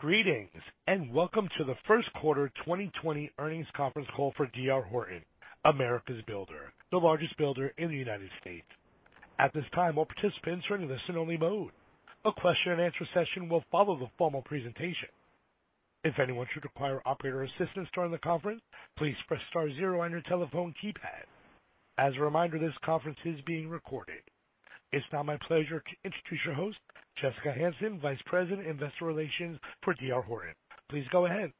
Greetings, welcome to the first quarter 2020 earnings conference call for D.R. Horton, America's builder, the largest builder in the U.S. At this time, all participants are in a listen-only mode. A question-and-answer session will follow the formal presentation. If anyone should require operator assistance during the conference, please press star zero on your telephone keypad. As a reminder, this conference is being recorded. It's now my pleasure to introduce your host, Jessica Hansen, Vice President, Investor Relations for D.R. Horton. Please go ahead.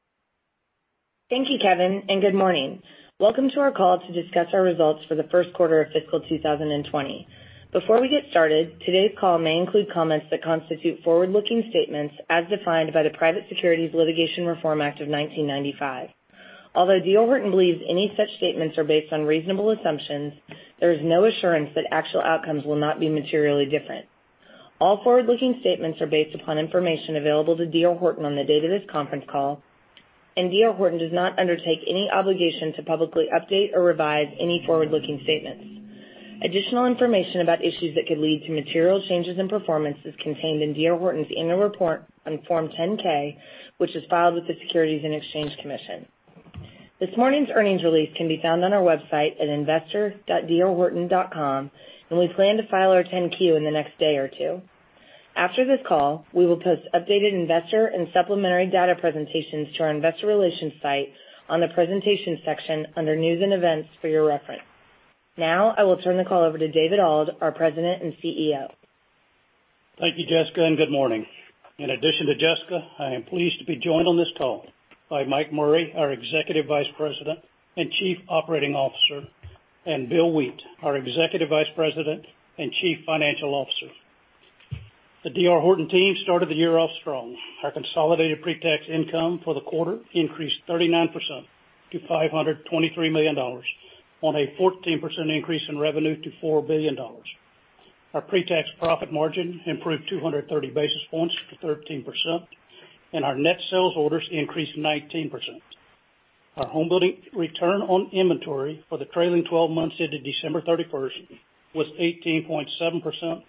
Thank you, Kevin, and good morning. Welcome to our call to discuss our results for the first quarter of fiscal 2020. Before we get started, today's call may include comments that constitute forward-looking statements as defined by the Private Securities Litigation Reform Act of 1995. Although D.R. Horton believes any such statements are based on reasonable assumptions, there is no assurance that actual outcomes will not be materially different. All forward-looking statements are based upon information available to D.R. Horton on the date of this conference call. D.R. Horton does not undertake any obligation to publicly update or revise any forward-looking statements. Additional information about issues that could lead to material changes in performance is contained in D.R. Horton's Annual Report on Form 10-K, which is filed with the Securities and Exchange Commission. This morning's earnings release can be found on our website at investor.drhorton.com, and we plan to file our 10-Q in the next day or two. After this call, we will post updated investor and supplementary data presentations to our Investor Relations site on the presentations section under news and events for your reference. Now, I will turn the call over to David Auld, our President and CEO. Thank you, Jessica. Good morning. In addition to Jessica, I am pleased to be joined on this call by Mike Murray, our Executive Vice President and Chief Operating Officer, and Bill Wheat, our Executive Vice President and Chief Financial Officer. The D.R. Horton team started the year off strong. Our consolidated pre-tax income for the quarter increased 39% to $523 million on a 14% increase in revenue to $4 billion. Our pre-tax profit margin improved 230 basis points to 13%, and our net sales orders increased 19%. Our homebuilding return on inventory for the trailing 12 months into December 31st was 18.7%,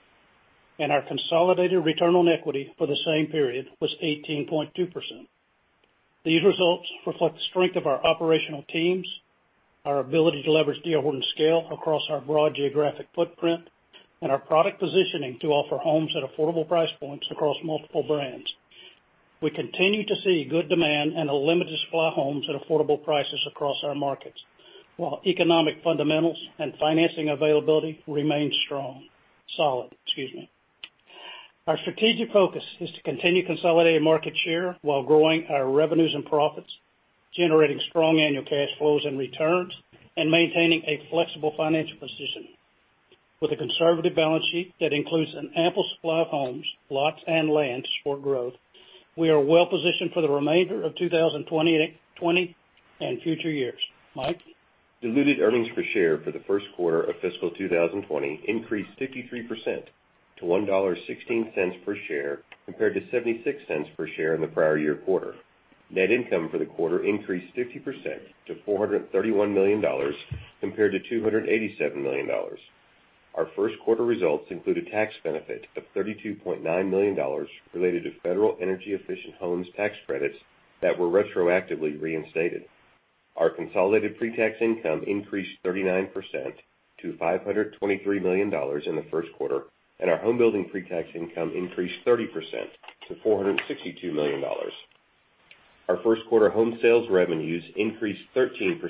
and our consolidated return on equity for the same period was 18.2%. These results reflect the strength of our operational teams, our ability to leverage D.R. Horton's scale across our broad geographic footprint, and our product positioning to offer homes at affordable price points across multiple brands. We continue to see good demand and a limited supply of homes at affordable prices across our markets, while economic fundamentals and financing availability remain strong. Excuse me. Our strategic focus is to continue consolidating market share while growing our revenues and profits, generating strong annual cash flows and returns, and maintaining a flexible financial position. With a conservative balance sheet that includes an ample supply of homes, lots, and land to support growth, we are well positioned for the remainder of 2020 and future years. Mike? Diluted earnings per share for the first quarter of fiscal 2020 increased 53% to $1.16 per share compared to $0.76 per share in the prior year quarter. Net income for the quarter increased 50% to $431 million compared to $287 million. Our first quarter results include a tax benefit of $32.9 million related to federal energy-efficient homes tax credits that were retroactively reinstated. Our consolidated pre-tax income increased 39% to $523 million in the first quarter, and our homebuilding pre-tax income increased 30% to $462 million. Our first quarter home sales revenues increased 13%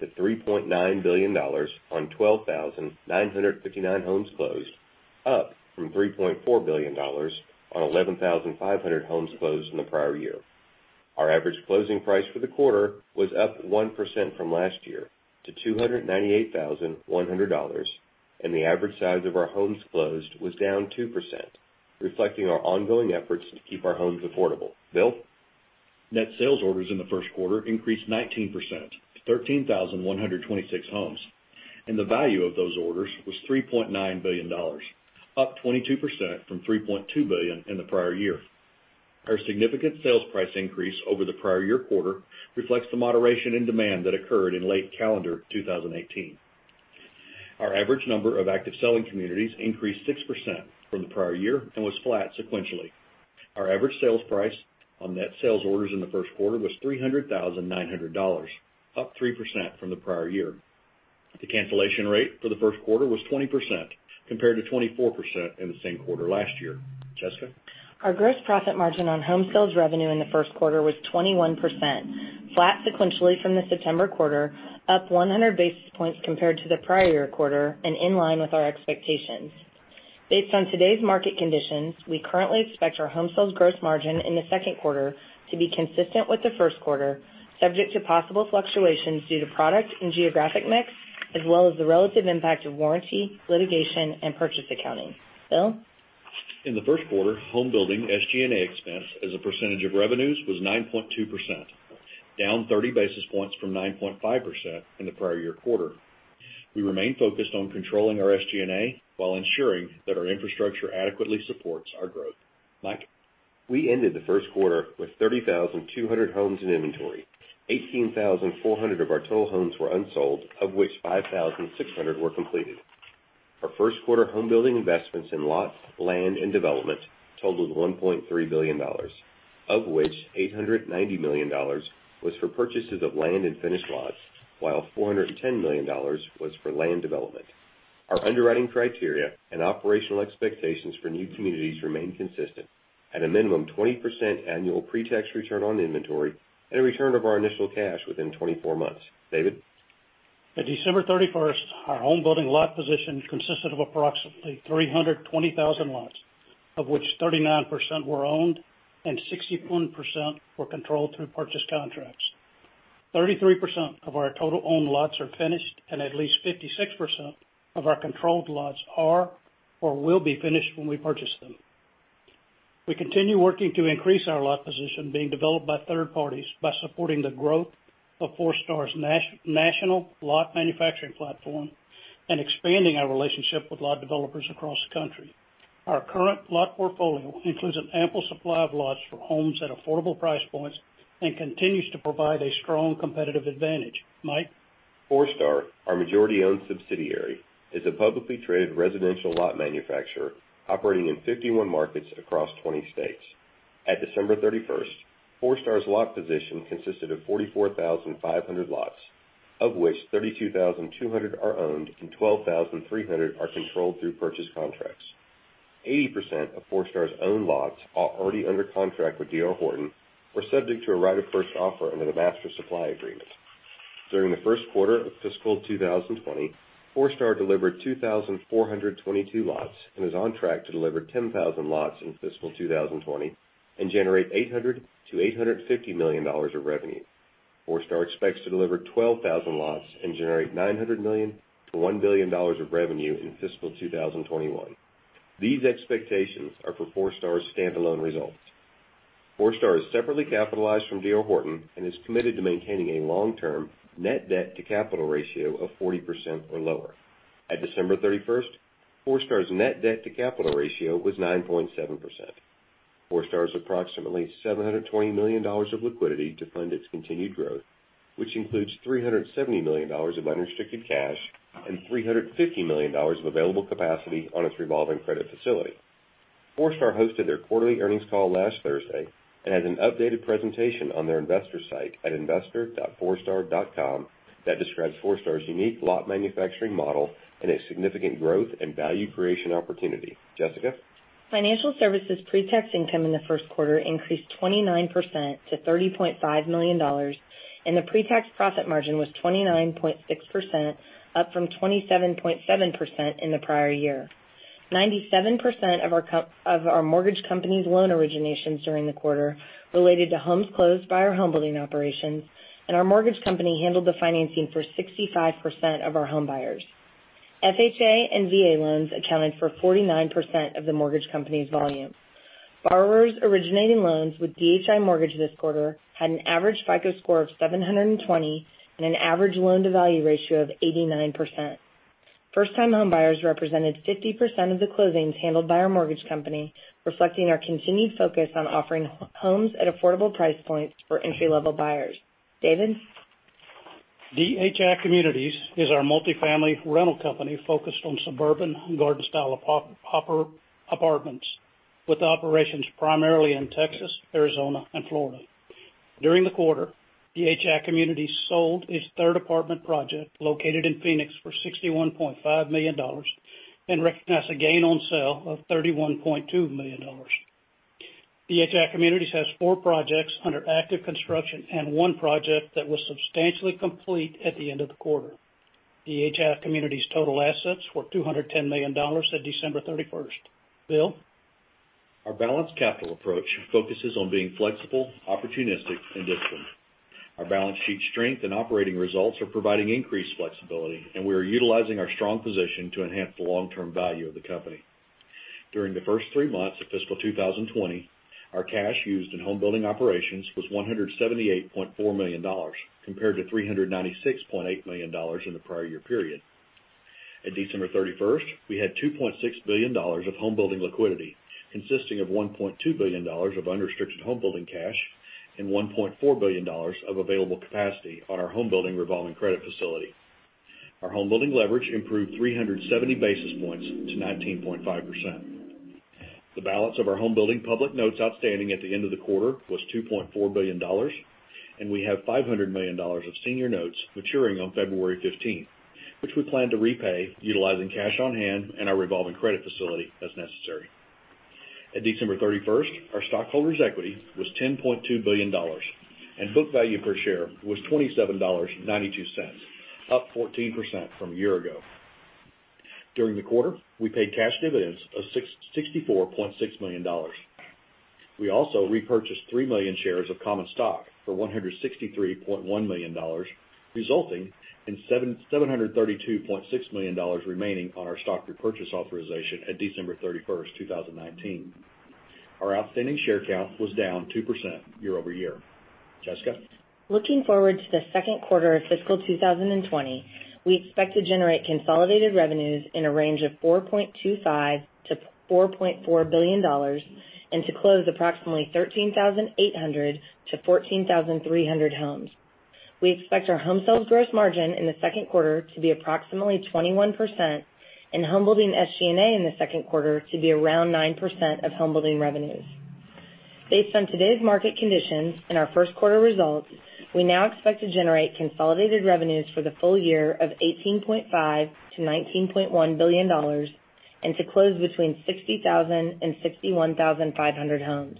to $3.9 billion on 12,959 homes closed, up from $3.4 billion on 11,500 homes closed in the prior year. Our average closing price for the quarter was up 1% from last year to $298,100, and the average size of our homes closed was down 2%, reflecting our ongoing efforts to keep our homes affordable. Bill? Net sales orders in the first quarter increased 19% to 13,126 homes, and the value of those orders was $3.9 billion, up 22% from $3.2 billion in the prior year. Our significant sales price increase over the prior year quarter reflects the moderation in demand that occurred in late calendar 2018. Our average number of active selling communities increased 6% from the prior year and was flat sequentially. Our average sales price on net sales orders in the first quarter was $300,900, up 3% from the prior year. The cancellation rate for the first quarter was 20% compared to 24% in the same quarter last year. Jessica? Our gross profit margin on home sales revenue in the first quarter was 21%, flat sequentially from the September quarter, up 100 basis points compared to the prior year quarter, and in line with our expectations. Based on today's market conditions, we currently expect our home sales gross margin in the second quarter to be consistent with the first quarter, subject to possible fluctuations due to product and geographic mix, as well as the relative impact of warranty, litigation, and purchase accounting. Bill? In the first quarter, home building SG&A expense as a percentage of revenues was 9.2%, down 30 basis points from 9.5% in the prior year quarter. We remain focused on controlling our SG&A while ensuring that our infrastructure adequately supports our growth. Mike? We ended the first quarter with 30,200 homes in inventory. 18,400 of our total homes were unsold, of which 5,600 were completed. Our first quarter home building investments in lots, land, and development totaled $1.3 billion, of which $890 million was for purchases of land and finished lots, while $410 million was for land development. Our underwriting criteria and operational expectations for new communities remain consistent, at a minimum 20% annual pre-tax return on inventory and a return of our initial cash within 24 months. David? At December 31st, our home building lot position consisted of approximately 320,000 lots, of which 39% were owned and 61% were controlled through purchase contracts. 33% of our total owned lots are finished and at least 56% of our controlled lots are or will be finished when we purchase them. We continue working to increase our lot position being developed by third parties by supporting the growth of Forestar's national lot manufacturing platform and expanding our relationship with lot developers across the country. Our current lot portfolio includes an ample supply of lots for homes at affordable price points and continues to provide a strong competitive advantage. Mike? Forestar, our majority-owned subsidiary, is a publicly traded residential lot manufacturer operating in 51 markets across 20 states. At December 31st, Forestar's lot position consisted of 44,500 lots, of which 32,200 are owned and 12,300 are controlled through purchase contracts. 80% of Forestar's owned lots are already under contract with D.R. Horton or subject to a right of first offer under the master supply agreement. During the first quarter of fiscal 2020, Forestar delivered 2,422 lots and is on track to deliver 10,000 lots in fiscal 2020 and generate $800 million-$850 million of revenue. Forestar expects to deliver 12,000 lots and generate $900 million-$1 billion of revenue in fiscal 2021. These expectations are for Forestar's standalone results. Forestar is separately capitalized from D.R. Horton and is committed to maintaining a long-term net debt to capital ratio of 40% or lower. On December 31st, Forestar's net debt to capital ratio was 9.7%. Forestar's approximately $720 million of liquidity to fund its continued growth, which includes $370 million of unrestricted cash and $350 million of available capacity on its revolving credit facility. Forestar hosted their quarterly earnings call last Thursday and has an updated presentation on their Investor site at investor.forestar.com that describes Forestar's unique lot manufacturing model and a significant growth and value creation opportunity. Jessica? Financial Services pre-tax income in the first quarter increased 29% to $30.5 million, and the pre-tax profit margin was 29.6%, up from 27.7% in the prior year. 97% of our mortgage company's loan originations during the quarter related to homes closed by our home building operations, and our mortgage company handled the financing for 65% of our home buyers. FHA and VA loans accounted for 49% of the mortgage company's volume. Borrowers originating loans with DHI Mortgage this quarter had an average FICO score of 720 and an average loan-to-value ratio of 89%. First-time home buyers represented 50% of the closings handled by our mortgage company, reflecting our continued focus on offering homes at affordable price points for entry-level buyers. David? DHI Communities is our multifamily rental company focused on suburban and garden-style apartments, with operations primarily in Texas, Arizona, and Florida. During the quarter, DHI Communities sold its third apartment project located in Phoenix for $61.5 million and recognized a gain on sale of $31.2 million. DHI Communities has four projects under active construction and one project that was substantially complete at the end of the quarter. DHI Communities' total assets were $210 million at December 31st. Bill? Our balanced capital approach focuses on being flexible, opportunistic, and disciplined. Our balance sheet strength and operating results are providing increased flexibility, and we are utilizing our strong position to enhance the long-term value of the company. During the first three months of fiscal 2020, our cash used in home building operations was $178.4 million, compared to $396.8 million in the prior year period. At December 31st, we had $2.6 billion of home building liquidity, consisting of $1.2 billion of unrestricted home building cash and $1.4 billion of available capacity on our home building revolving credit facility. Our home building leverage improved 370 basis points to 19.5%. The balance of our home building public notes outstanding at the end of the quarter was $2.4 billion. We have $500 million of senior notes maturing on February 15th, which we plan to repay utilizing cash on hand and our revolving credit facility as necessary. At December 31st, our stockholders' equity was $10.2 billion, and book value per share was $27.92, up 14% from a year ago. During the quarter, we paid cash dividends of $64.6 million. We also repurchased three million shares of common stock for $163.1 million, resulting in $732.6 million remaining on our stock repurchase authorization at December 31st, 2019. Our outstanding share count was down 2% year-over-year. Jessica? Looking forward to the second quarter of fiscal 2020, we expect to generate consolidated revenues in a range of $4.25 billion-$4.4 billion and to close approximately 13,800-14,300 homes. We expect our home sales gross margin in the second quarter to be approximately 21% and homebuilding SG&A in the second quarter to be around 9% of homebuilding revenues. Based on today's market conditions and our first quarter results, we now expect to generate consolidated revenues for the full year of $18.5 billion-$19.1 billion and to close between 60,000 and 61,500 homes.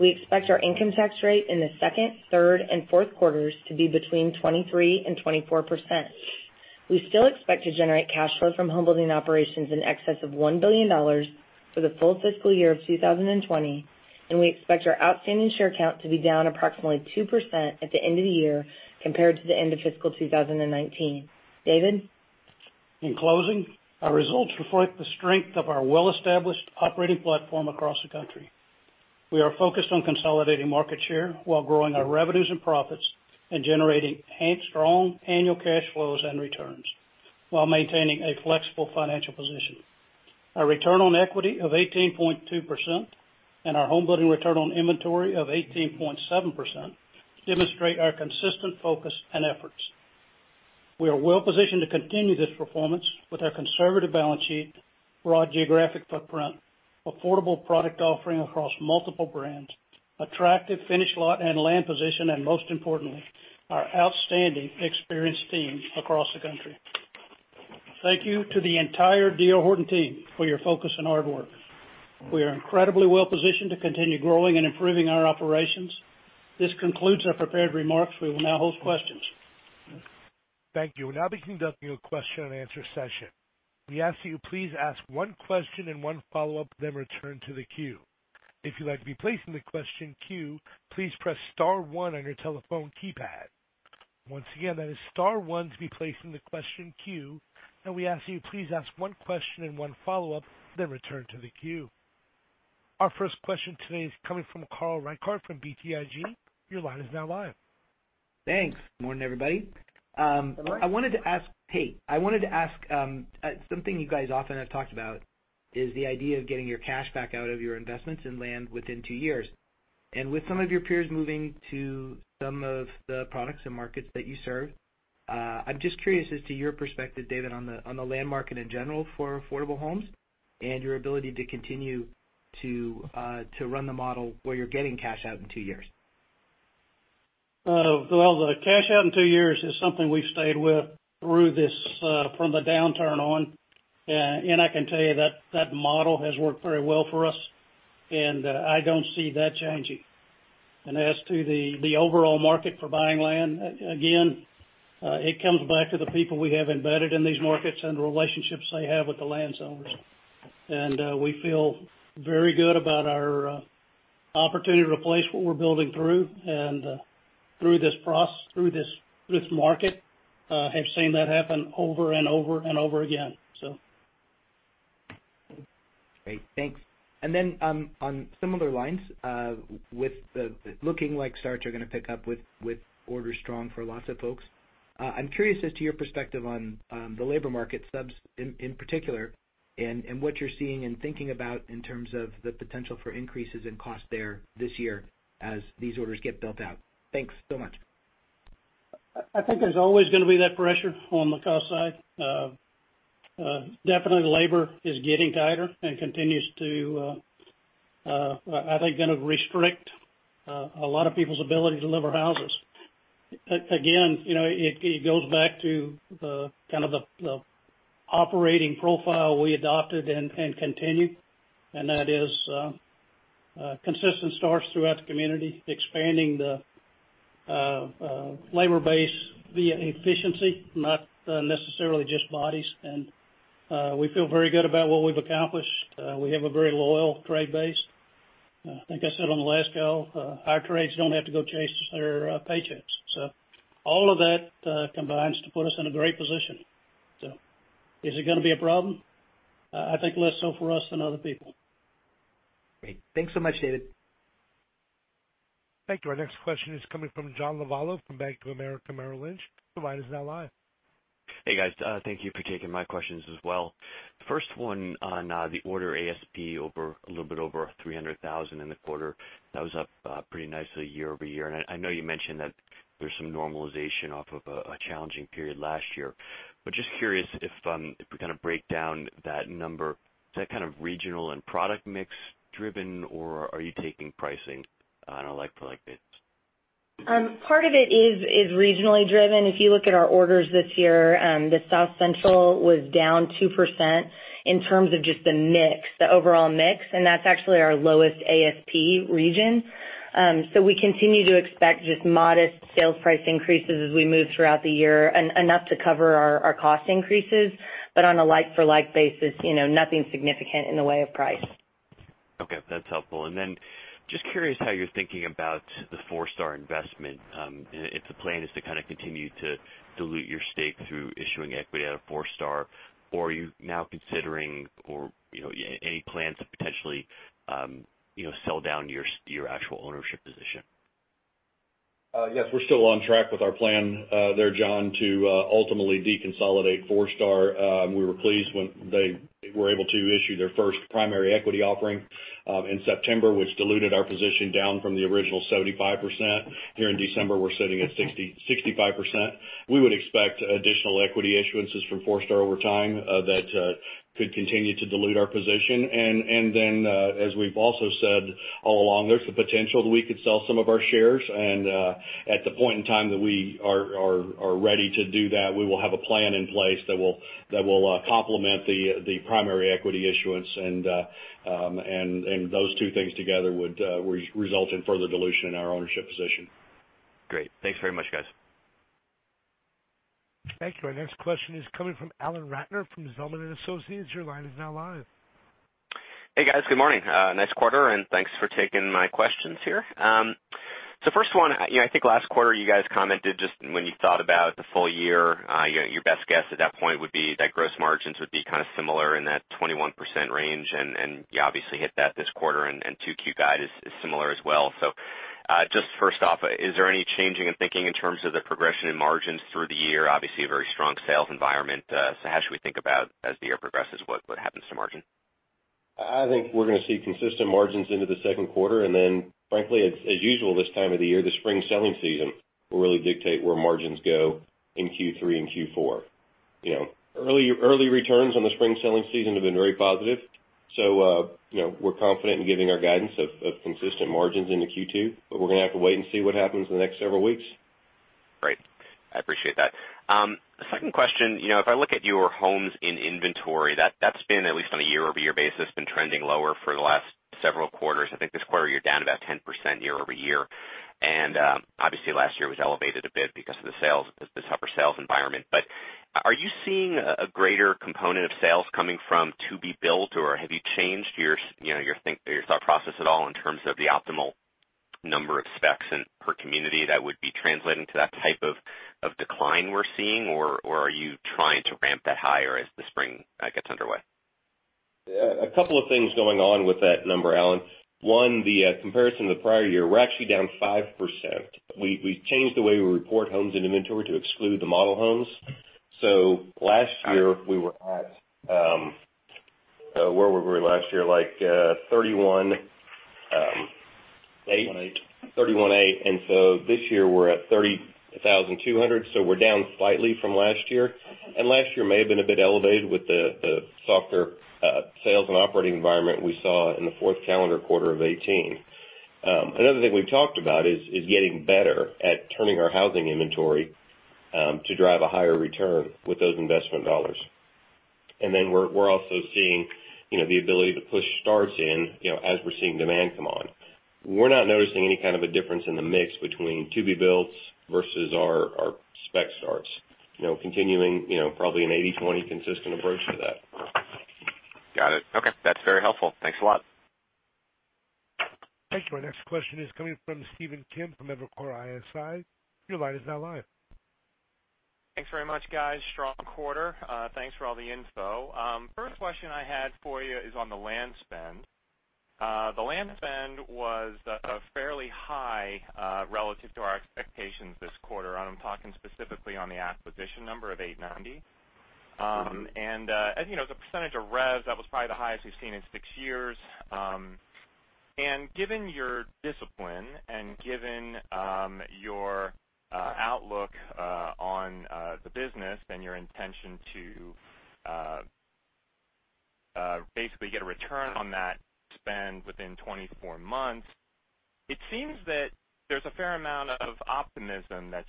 We expect our income tax rate in the second, third, and fourth quarters to be between 23% and 24%. We still expect to generate cash flow from homebuilding operations in excess of $1 billion for the full fiscal year of 2020, and we expect our outstanding share count to be down approximately 2% at the end of the year compared to the end of fiscal 2019. David? In closing, our results reflect the strength of our well-established operating platform across the country. We are focused on consolidating market share while growing our revenues and profits and generating strong annual cash flows and returns while maintaining a flexible financial position. Our return on equity of 18.2% and our homebuilding return on inventory of 18.7% demonstrate our consistent focus and efforts. We are well-positioned to continue this performance with our conservative balance sheet, broad geographic footprint, affordable product offering across multiple brands, attractive finished lot and land position, and most importantly, our outstanding experienced team across the country. Thank you to the entire D.R. Horton team for your focus and hard work. We are incredibly well-positioned to continue growing and improving our operations. This concludes our prepared remarks. We will now hold questions. Thank you. We'll now be conducting a question-and-answer session. We ask that you please ask one question and one follow-up, then return to the queue. If you'd like to be placed in the question queue, please press star one on your telephone keypad. Once again, that is star one to be placed in the question queue, and we ask that you please ask one question and one follow-up, then return to the queue. Our first question today is coming from Carl Reichardt from BTIG. Your line is now live. Thanks. Good morning, everybody. Good morning. I wanted to ask something you guys often have talked about, is the idea of getting your cash back out of your investments in land within two years. With some of your peers moving to some of the products and markets that you serve, I'm just curious as to your perspective, David, on the land market in general for affordable homes? and your ability to continue to run the model where you're getting cash out in two years. Well, the cash out in two years is something we've stayed with from the downturn on, and I can tell you that model has worked very well for us, and I don't see that changing. As to the overall market for buying land, again, it comes back to the people we have embedded in these markets and the relationships they have with the landowners. We feel very good about our opportunity to replace what we're building through this market. We have seen that happen over and over and over again. Great. Thanks. Then, on similar lines, with it looking like starts are going to pick up with orders strong for lots of folks, I'm curious as to your perspective on the labor market subs in particular, and what you're seeing and thinking about in terms of the potential for increases in cost there this year as these orders get built out. Thanks so much. I think there's always going to be that pressure on the cost side. Definitely labor is getting tighter and continues to, I think, kind of restrict a lot of people's ability to deliver houses. It goes back to the operating profile we adopted and continue, and that is consistent starts throughout the community, expanding the labor base via efficiency, not necessarily just bodies. We feel very good about what we've accomplished. We have a very loyal trade base. Like I said on the last call, our trades don't have to go chase their paychecks. All of that combines to put us in a great position. Is it going to be a problem? I think less so for us than other people. Great. Thanks so much, David. Thank you. Our next question is coming from John Lovallo from Bank of America Merrill Lynch. Your line is now live. Hey, guys. Thank you for taking my questions as well. The first one on the order ASP a little bit over $300,000 in the quarter. That was up pretty nicely year-over-year. I know you mentioned that there's some normalization off of a challenging period last year. Just curious if we break down that number. Is that regional and product mix driven, or are you taking pricing on a like-for-like basis? Part of it is regionally driven. If you look at our orders this year, the South Central was down 2% in terms of just the mix, the overall mix, and that's actually our lowest ASP region. We continue to expect just modest sales price increases as we move throughout the year, and enough to cover our cost increases, but on a like-for-like basis, nothing significant in the way of price. Okay. That's helpful. Just curious how you're thinking about the Forestar investment. If the plan is to kind of continue to dilute your stake through issuing equity out of Forestar, are you now considering any plans to potentially sell down your actual ownership position? Yes, we're still on track with our plan there, John, to ultimately deconsolidate Forestar. We were pleased when they were able to issue their first primary equity offering in September, which diluted our position down from the original 75%. Here in December, we're sitting at 65%. We would expect additional equity issuances from Forestar over time that could continue to dilute our position. As we've also said all along, there's the potential that we could sell some of our shares. At the point in time that we are ready to do that, we will have a plan in place that will complement the primary equity issuance. Those two things together would result in further dilution in our ownership position. Great. Thanks very much, guys. Thank you. Our next question is coming from Alan Ratner from Zelman & Associates. Your line is now live. Hey, guys. Good morning. Nice quarter. Thanks for taking my questions here. First one, I think last quarter you guys commented just when you thought about the full year, your best guess at that point would be that gross margins would be kind of similar in that 21% range. You obviously hit that this quarter and 2Q guide is similar as well. First off, is there any changing in thinking in terms of the progression in margins through the year? Obviously, a very strong sales environment. How should we think about as the year progresses, what happens to margin? I think we're going to see consistent margins into the second quarter. Frankly, as usual this time of the year, the Spring Selling Season will really dictate where margins go in Q3 and Q4. Early returns on the Spring Selling Season have been very positive. We're confident in giving our guidance of consistent margins into Q2, but we're going to have to wait and see what happens in the next several weeks. Great. I appreciate that. Second question. If I look at your homes in inventory, that's been, at least on a year-over-year basis, been trending lower for the last several quarters. I think this quarter you're down about 10% year-over-year. Obviously last year was elevated a bit because of the tougher sales environment. Are you seeing a greater component of sales coming from to-be built, or have you changed your thought process at all in terms of the optimal number of specs per community that would be translating to that type of decline we're seeing? Are you trying to ramp that higher as the spring gets underway? A couple of things going on with that number, Alan. One, the comparison to the prior year, we're actually down 5%. We changed the way we report homes in inventory to exclude the model homes. Last year we were at, where were we last year, like 31? Eight. 31,800. This year we're at 30,200, so we're down slightly from last year. Last year may have been a bit elevated with the softer sales and operating environment we saw in the fourth calendar quarter of 2018. Another thing we've talked about is getting better at turning our housing inventory to drive a higher return with those investment dollars. We're also seeing the ability to push starts in as we're seeing demand come on. We're not noticing any kind of a difference in the mix between to-be builds versus our spec starts. Continuing probably an 80/20 consistent approach to that. Got it. Okay. That's very helpful. Thanks a lot. Thank you. Our next question is coming from Stephen Kim from Evercore ISI. Your line is now live. Thanks very much, guys. Strong quarter. Thanks for all the info. First question I had for you is on the land spend. The land spend was fairly high relative to our expectations this quarter. I'm talking specifically on the acquisition number of 890. As a percentage of revs, that was probably the highest we've seen in six years. Given your discipline and given your outlook on the business and your intention to basically get a return on that spend within 24 months, it seems that there's a fair amount of optimism that's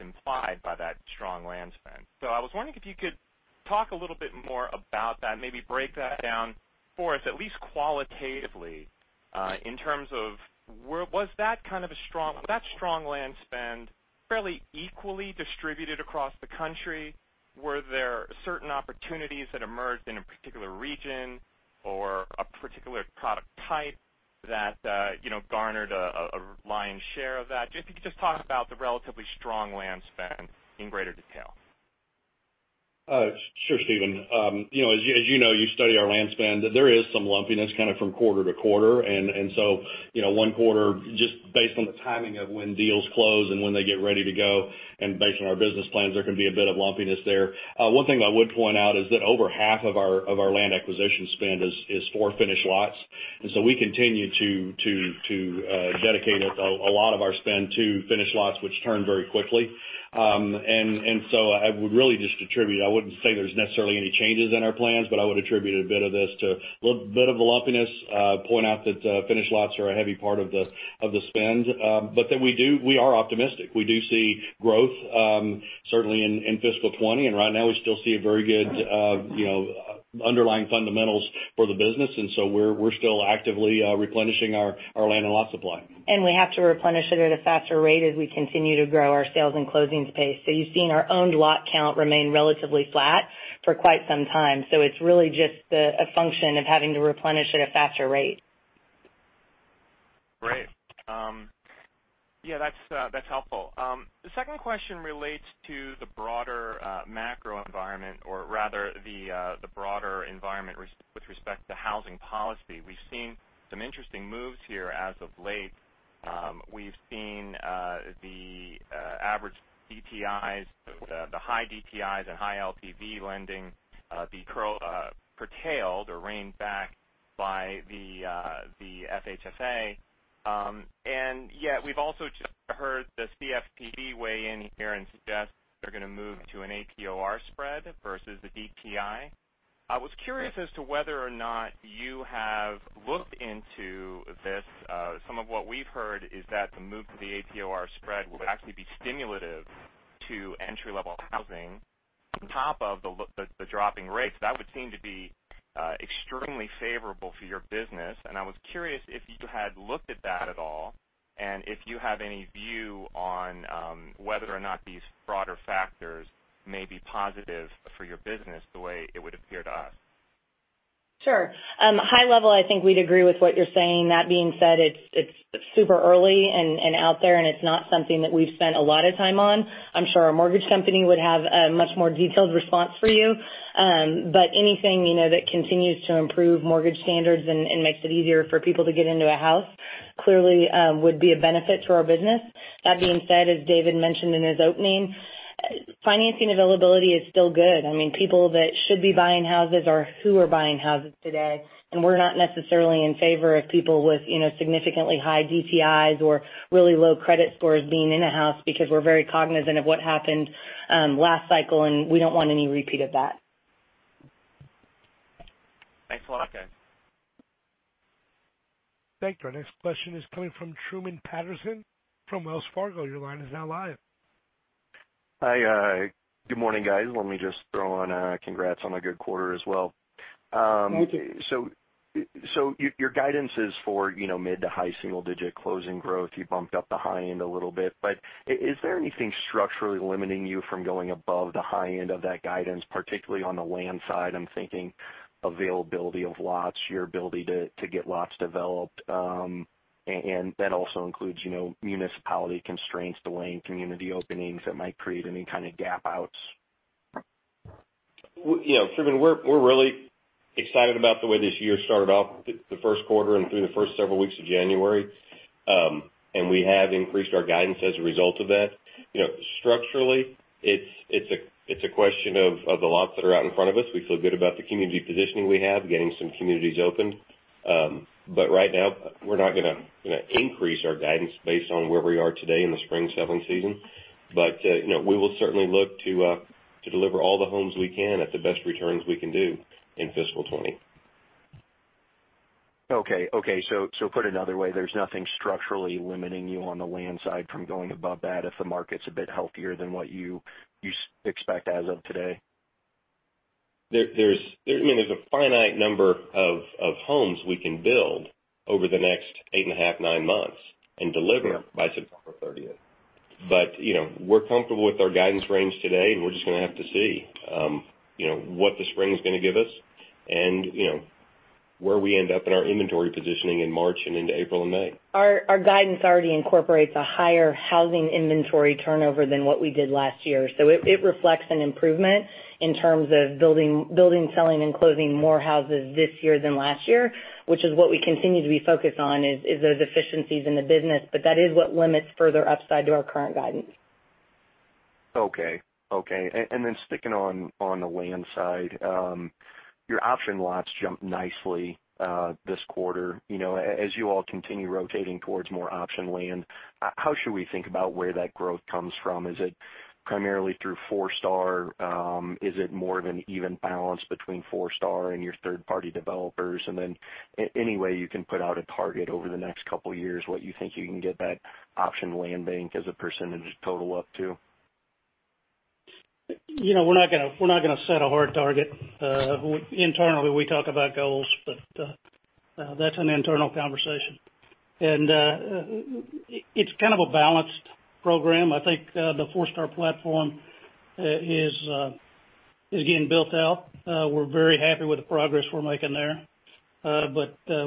implied by that strong land spend. I was wondering if you could talk a little bit more about that, maybe break that down for us, at least qualitatively, in terms of was that strong land spend fairly equally distributed across the country? Were there certain opportunities that emerged in a particular region or a particular product type that garnered a lion's share of that? If you could just talk about the relatively strong land spend in greater detail. Sure, Stephen. As you know, you study our land spend, there is some lumpiness kind of from quarter to quarter. One quarter, just based on the timing of when deals close and when they get ready to go and based on our business plans, there can be a bit of lumpiness there. One thing I would point out is that over half of our land acquisition spend is for finished lots. We continue to dedicate a lot of our spend to finished lots, which turn very quickly. I would really just attribute, I wouldn't say there's necessarily any changes in our plans, but I would attribute a bit of this to a little bit of a lumpiness, point out that finished lots are a heavy part of the spend, but that we are optimistic. We do see growth, certainly in fiscal 2020, and right now we still see a very good underlying fundamentals for the business, and so we're still actively replenishing our land and lot supply. We have to replenish it at a faster rate as we continue to grow our sales and closings pace. You've seen our owned lot count remain relatively flat for quite some time. It's really just a function of having to replenish at a faster rate. Great. Yeah, that's helpful. The second question relates to the broader macro environment or rather the broader environment with respect to housing policy. We've seen some interesting moves here as of late. We've seen the average DTIs, the high DTIs, and high LTV lending be curtailed or reined back by the FHFA. Yet we've also just heard the CFPB weigh in here and suggest they're going to move to an APOR spread versus a DTI. I was curious as to whether or not you have looked into this. Some of what we've heard is that the move to the APOR spread will actually be stimulative to entry-level housing on top of the dropping rates. That would seem to be extremely favorable for your business. I was curious if you had looked at that at all, and if you have any view on whether or not these broader factors may be positive for your business the way it would appear to us. Sure. High level, I think we'd agree with what you're saying. That being said, it's super early and out there. It's not something that we've spent a lot of time on. I'm sure our Mortgage Company would have a much more detailed response for you. Anything that continues to improve mortgage standards and makes it easier for people to get into a house clearly would be a benefit to our business. That being said, as David mentioned in his opening, financing availability is still good. People that should be buying houses who are buying houses today. We're not necessarily in favor of people with significantly high DTIs or really low credit scores being in a house because we're very cognizant of what happened last cycle. We don't want any repeat of that. Thanks a lot, guys. Thank you. Our next question is coming from Truman Patterson from Wells Fargo. Your line is now live. Hi, good morning, guys. Let me just throw on a congrats on a good quarter as well. Thank you. Your guidance is for mid to high single-digit closing growth. You bumped up the high end a little bit, but is there anything structurally limiting you from going above the high end of that guidance, particularly on the land side? I'm thinking availability of lots, your ability to get lots developed, and that also includes municipality constraints, delaying community openings that might create any kind of gap outs? Truman, we're really excited about the way this year started off the first quarter and through the first several weeks of January. We have increased our guidance as a result of that. Structurally, it's a question of the lots that are out in front of us. We feel good about the community positioning we have, getting some communities opened. Right now, we're not going to increase our guidance based on where we are today in the spring selling season. We will certainly look to deliver all the homes we can at the best returns we can do in fiscal 2020. Okay. Put another way, there's nothing structurally limiting you on the land side from going above that if the market's a bit healthier than what you expect as of today? There's a finite number of homes we can build over the next eight and a half, nine months, and deliver by September 30th. We're comfortable with our guidance range today, and we're just going to have to see what the spring's going to give us and where we end up in our inventory positioning in March and into April and May. Our guidance already incorporates a higher housing inventory turnover than what we did last year. It reflects an improvement in terms of building, selling, and closing more houses this year than last year, which is what we continue to be focused on is those efficiencies in the business. That is what limits further upside to our current guidance. Okay. Sticking on the land side. Your option lots jumped nicely this quarter. As you all continue rotating towards more option land, how should we think about where that growth comes from? Is it primarily through Forestar? Is it more of an even balance between Forestar and your third-party developers? Any way you can put out a target over the next couple of years, what you think you can get that option land bank as a percentage total up to? We're not going to set a hard target. Internally, we talk about goals, but that's an internal conversation. It's kind of a balanced program. I think the Forestar platform is getting built out. We're very happy with the progress we're making there.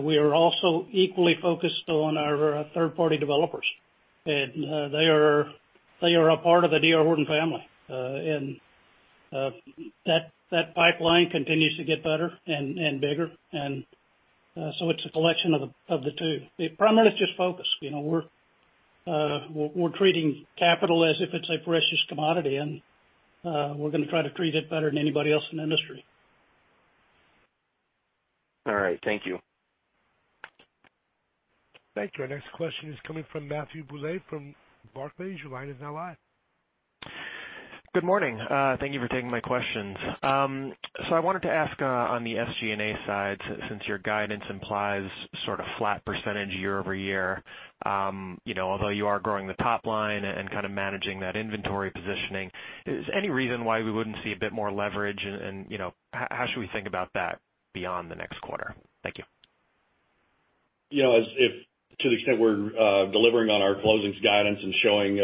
We are also equally focused on our third-party developers, and they are a part of the D.R. Horton family. That pipeline continues to get better and bigger. It's a collection of the two. Primarily, it's just focus. We're treating capital as if it's a precious commodity, and we're going to try to treat it better than anybody else in the industry. All right. Thank you. Thank you. Our next question is coming from Matthew Bouley from Barclays. Your line is now live. Good morning. Thank you for taking my questions. I wanted to ask on the SG&A side, since your guidance implies sort of flat percentage year-over-year. Although you are growing the top line and kind of managing that inventory positioning, is any reason why we wouldn't see a bit more leverage and how should we think about that beyond the next quarter? Thank you. To the extent we're delivering on our closings guidance and showing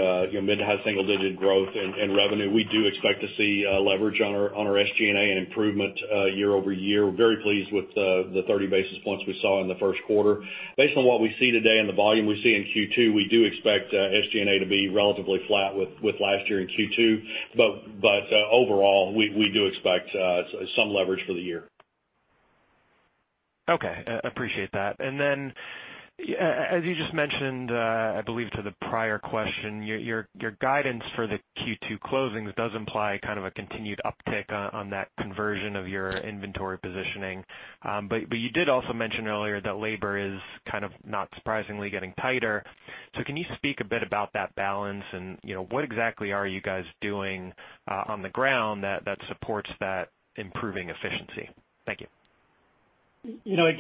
mid to high single-digit growth in revenue, we do expect to see leverage on our SG&A and improvement year-over-year. We're very pleased with the 30 basis points we saw in the first quarter. Based on what we see today and the volume we see in Q2, we do expect SG&A to be relatively flat with last year in Q2. Overall, we do expect some leverage for the year. Okay. I appreciate that. As you just mentioned, I believe to the prior question, your guidance for the Q2 closings does imply kind of a continued uptick on that conversion of your inventory positioning. You did also mention earlier that labor is kind of not surprisingly getting tighter. Can you speak a bit about that balance and what exactly are you guys doing on the ground that supports that improving efficiency? Thank you. To me, it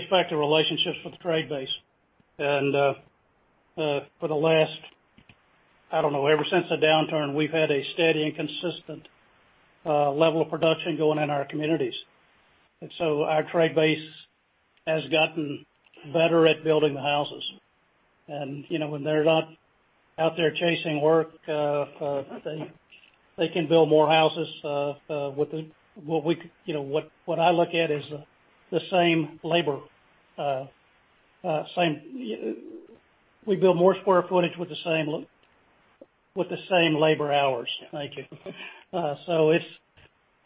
gets back to relationships with the trade base. For the last, I don't know, ever since the downturn, we've had a steady and consistent level of production going in our communities. Our trade base has gotten better at building the houses. When they're not out there chasing work, they can build more houses. What I look at is we build more square footage with the same labor hours. Thank you.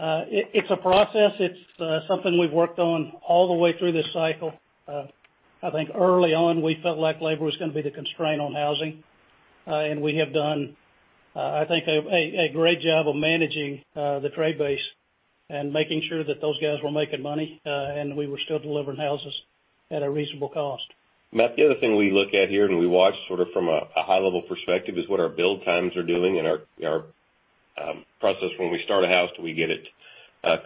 It's a process. It's something we've worked on all the way through this cycle. I think early on, we felt like labor was going to be the constraint on housing. We have done, I think, a great job of managing the trade base and making sure that those guys were making money, and we were still delivering houses at a reasonable cost. Matt, the other thing we look at here, and we watch sort of from a high level perspective, is what our build times are doing and our process when we start a house till we get it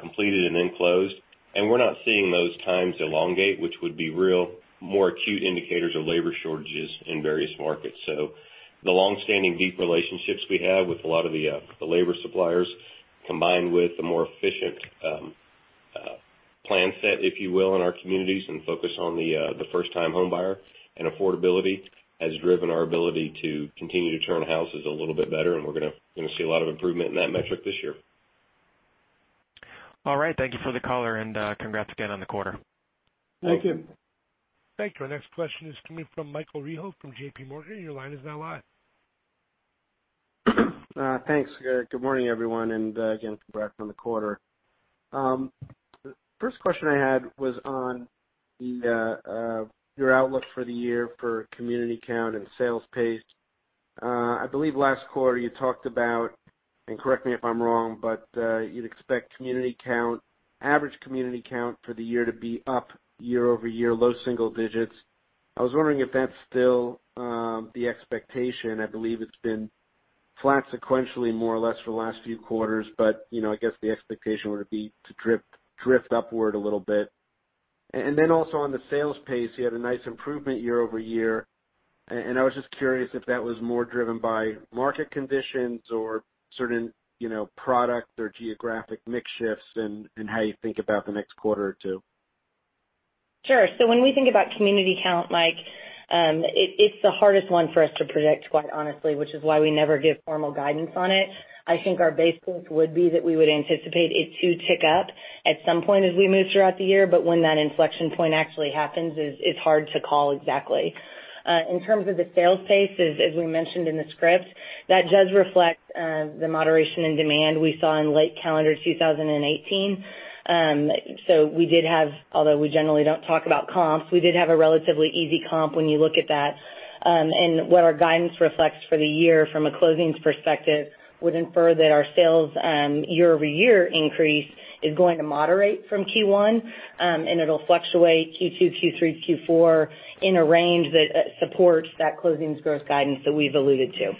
completed and then closed. We're not seeing those times elongate, which would be real more acute indicators of labor shortages in various markets. The longstanding deep relationships we have with a lot of the labor suppliers, combined with the more efficient plan set, if you will, in our communities, and focus on the first-time home buyer and affordability, has driven our ability to continue to turn houses a little bit better, and we're going to see a lot of improvement in that metric this year. All right. Thank you for the color, and congrats again on the quarter. Thank you. Thank you. Our next question is coming from Michael Rehaut from JPMorgan. Your line is now live. Thanks. Good morning, everyone. Again, congrats on the quarter. First question I had was on your outlook for the year for community count and sales pace. I believe last quarter you talked about, correct me if I'm wrong, you'd expect average community count for the year to be up year-over-year, low single digits. I was wondering if that's still the expectation. I believe it's been flat sequentially more or less for the last few quarters. I guess the expectation would be to drift upward a little bit. Also on the sales pace, you had a nice improvement year-over-year. I was just curious if that was more driven by market conditions or certain product or geographic mix shifts. How you think about the next quarter or two? Sure. When we think about community count, Mike, it's the hardest one for us to predict, quite honestly, which is why we never give formal guidance on it. I think our base case would be that we would anticipate it to tick up at some point as we move throughout the year, but when that inflection point actually happens is hard to call exactly. In terms of the sales pace, as we mentioned in the script, that does reflect the moderation in demand we saw in late calendar 2018. Although we generally don't talk about comps, we did have a relatively easy comp when you look at that. What our guidance reflects for the year from a closings perspective would infer that our sales year-over-year increase is going to moderate from Q1, and it'll fluctuate Q2, Q3, Q4 in a range that supports that closings growth guidance that we've alluded to.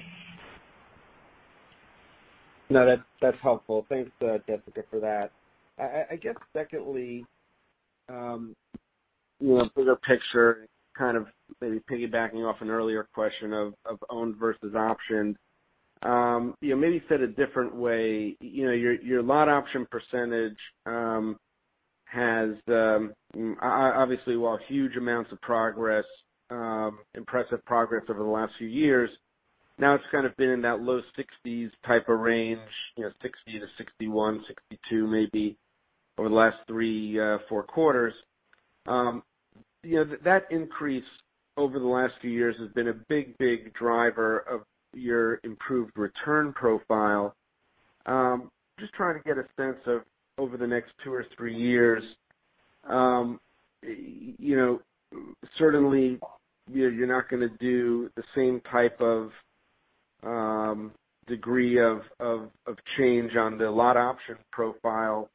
That's helpful. Thanks, Jessica, for that. I guess secondly, bigger picture, kind of maybe piggybacking off an earlier question of owned versus optioned. Maybe said a different way, your lot option percentage has, obviously while huge amounts of progress, impressive progress over the last few years, now it's kind of been in that low 60s% type of range, 60%-61%, 62% maybe, over the last three, four quarters. That increase over the last few years has been a big, big driver of your improved return profile. Just trying to get a sense of over the next two or three years, certainly you're not going to do the same type of degree of change on the lot option profile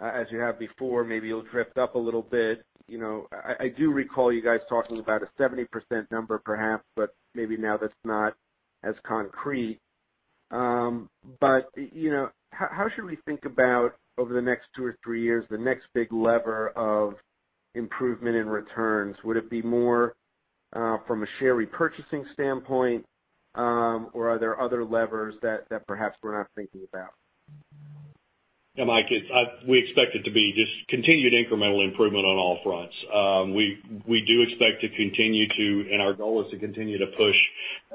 as you have before. Maybe it'll drift up a little bit. I do recall you guys talking about a 70% number perhaps, maybe now that's not as concrete. How should we think about over the next two or three years, the next big lever of improvement in returns? Would it be more from a share repurchasing standpoint, or are there other levers that perhaps we're not thinking about? Mike, we expect it to be just continued incremental improvement on all fronts. We do expect to continue to push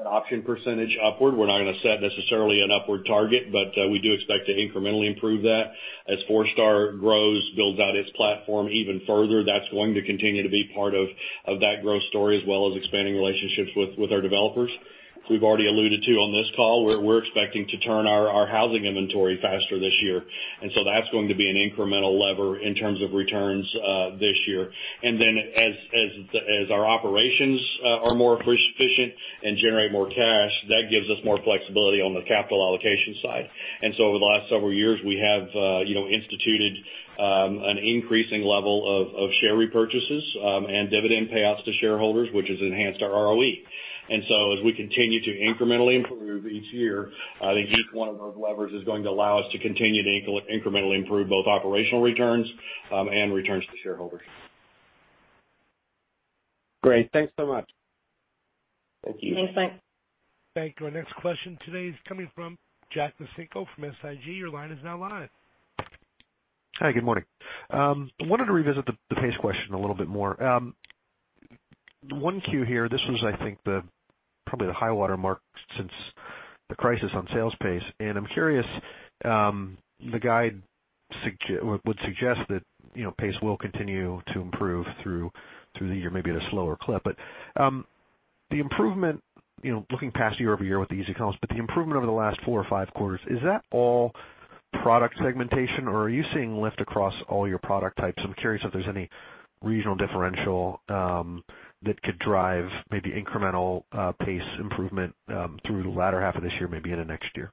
option percentage upward. We're not going to set necessarily an upward target, we do expect to incrementally improve that. As Forestar grows, builds out its platform even further, that's going to continue to be part of that growth story, as well as expanding relationships with our developers. We've already alluded to, on this call, we're expecting to turn our housing inventory faster this year. That's going to be an incremental lever in terms of returns this year. As our operations are more efficient and generate more cash, that gives us more flexibility on the capital allocation side. Over the last several years, we have instituted an increasing level of share repurchases and dividend payouts to shareholders, which has enhanced our ROE. As we continue to incrementally improve each year, I think each one of those levers is going to allow us to continue to incrementally improve both operational returns and returns to shareholders. Great. Thanks so much. Thank you. Thanks, Mike. Thank you. Our next question today is coming from Jack Micenko from SIG. Your line is now live. Hi, good morning. I wanted to revisit the pace question a little bit more. 1Q here, this was, I think, probably the high water mark since the crisis on sales pace. I'm curious, the guide would suggest that pace will continue to improve through the year, maybe at a slower clip. Looking past year-over-year with the easy comps, but the improvement over the last four or five quarters, is that all product segmentation, or are you seeing lift across all your product types? I'm curious if there's any regional differential that could drive maybe incremental pace improvement through the latter half of this year, maybe into next year?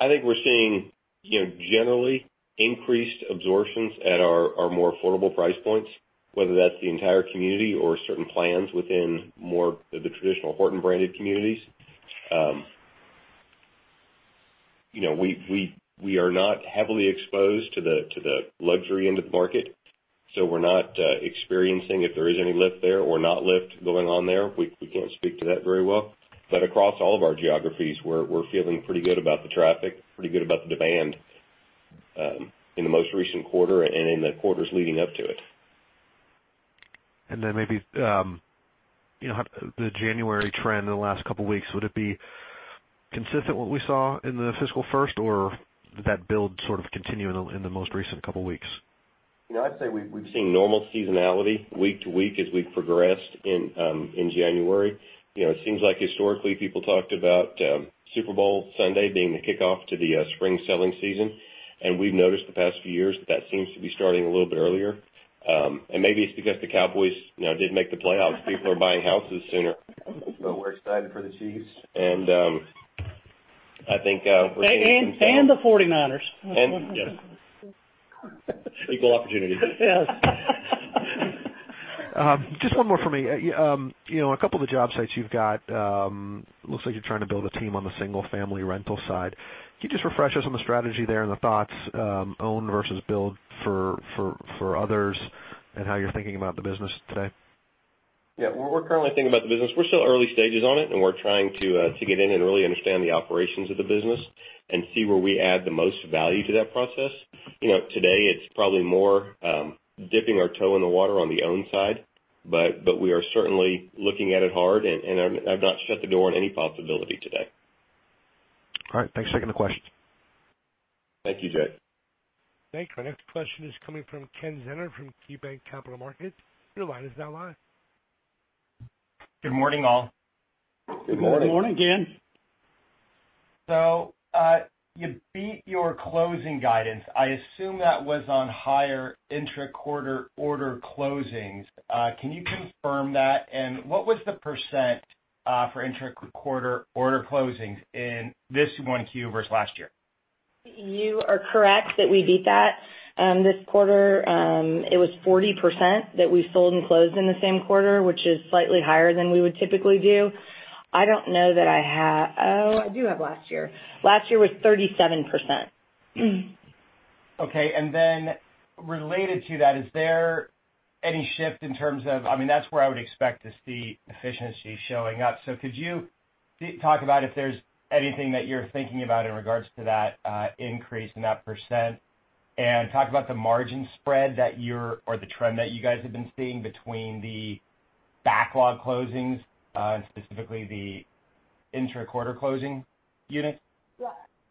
I think we're seeing generally increased absorptions at our more affordable price points, whether that's the entire community or certain plans within more of the traditional Horton-branded communities. We are not heavily exposed to the luxury end of the market, so we're not experiencing if there is any lift there or not lift going on there. We can't speak to that very well. Across all of our geographies, we're feeling pretty good about the traffic, pretty good about the demand in the most recent quarter and in the quarters leading up to it. Maybe the January trend in the last couple of weeks, would it be consistent what we saw in the fiscal first, or did that build sort of continue in the most recent couple of weeks? I'd say we've seen normal seasonality week to week as we've progressed in January. It seems like historically, people talked about Super Bowl Sunday being the kickoff to the spring selling season, and we've noticed the past few years that seems to be starting a little bit earlier. Maybe it's because the Cowboys did make the playoffs. People are buying houses sooner. We're excited for the Chiefs, and I think we're seeing. The 49ers. Yes. Equal opportunity. Yes. Just one more for me. A couple of the job sites you've got, looks like you're trying to build a team on the single-family rental side. Can you just refresh us on the strategy there and the thoughts, own versus build for others, and how you're thinking about the business today? Yeah. We're currently thinking about the business. We're still early stages on it, and we're trying to get in and really understand the operations of the business and see where we add the most value to that process. Today, it's probably more dipping our toe in the water on the own side, but we are certainly looking at it hard, and I've not shut the door on any possibility today. All right. Thanks. Second the question. Thank you, Jack. Thank you. Our next question is coming from Ken Zener from KeyBanc Capital Markets. Your line is now live. Good morning, all. Good morning. Good morning, Ken. You beat your closing guidance. I assume that was on higher intra-quarter order closings. Can you confirm that? What was the percent for intra-quarter order closings in this one Q versus last year? You are correct that we beat that. This quarter, it was 40% that we sold and closed in the same quarter, which is slightly higher than we would typically do. I don't know that I have, I do have last year. Last year was 37%. Okay. Related to that, is there any shift in terms of that's where I would expect to see efficiency showing up. Could you talk about if there's anything that you're thinking about in regards to that increase in that percent? Talk about the margin spread or the trend that you guys have been seeing between the backlog closings and specifically the intra-quarter closing units?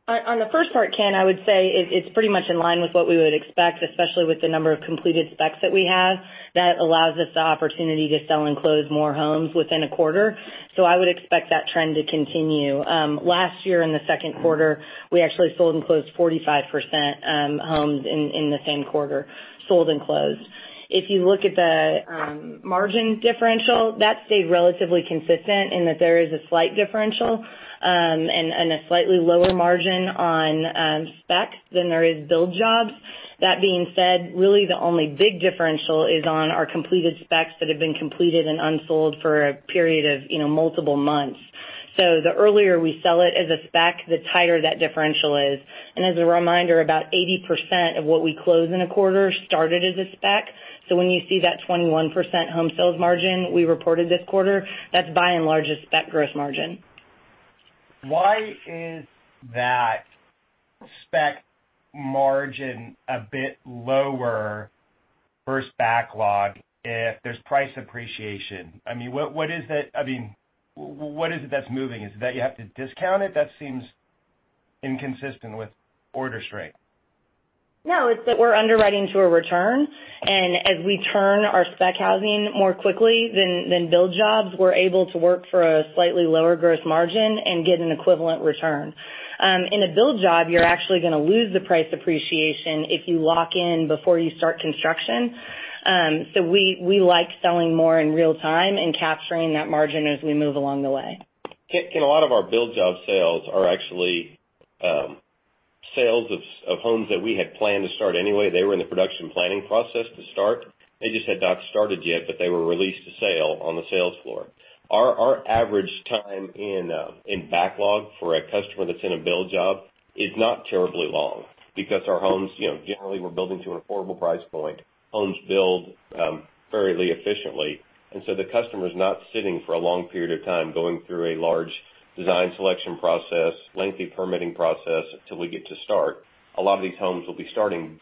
On the first part, Ken, I would say it's pretty much in line with what we would expect, especially with the number of completed specs that we have that allows us the opportunity to sell and close more homes within a quarter. I would expect that trend to continue. Last year in the second quarter, we actually sold and closed 45% homes in the same quarter, sold and closed. If you look at the margin differential, that stayed relatively consistent in that there is a slight differential and a slightly lower margin on specs than there is build jobs. That being said, really the only big differential is on our completed specs that have been completed and unsold for a period of multiple months. The earlier we sell it as a spec, the tighter that differential is. As a reminder, about 80% of what we close in a quarter started as a spec. When you see that 21% home sales margin we reported this quarter, that's by and large a spec gross margin. Why is that spec margin a bit lower versus backlog if there's price appreciation? What is it that's moving? Is it that you have to discount it? That seems inconsistent with order strength. It's that we're underwriting to a return, and as we turn our spec housing more quickly than build jobs, we're able to work for a slightly lower gross margin and get an equivalent return. In a build job, you're actually going to lose the price appreciation if you lock in before you start construction. We like selling more in real time and capturing that margin as we move along the way. A lot of our build job sales are actually sales of homes that we had planned to start anyway. They were in the production planning process to start. They just had not started yet, but they were released to sale on the sales floor. Our average time in backlog for a customer that's in a build job is not terribly long because our homes, generally, we're building to affordable price point. Homes build fairly efficiently. The customer's not sitting for a long period of time going through a large design selection process, lengthy permitting process till we get to start. A lot of these homes will be starting